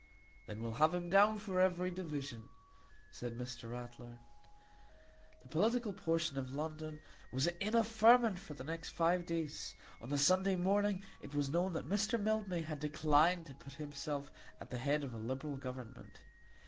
"Then we'll have him down for every division," said Mr. Ratler. The political portion of London was in a ferment for the next five days. On the Sunday morning it was known that Mr. Mildmay had declined to put himself at the head of a liberal Government.